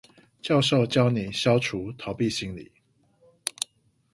教授教你消除逃避心理